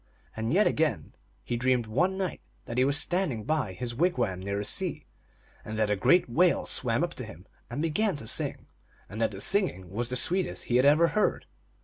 And yet again he dreamed one night that he was standing by his wigwam near the sea, and that a great whale swam up to him and began to sing, and that the singing was the sweetest he had ever heard.